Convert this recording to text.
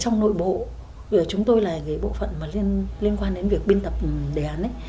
nội bộ chúng tôi là bộ phận liên quan đến việc biên tập đề án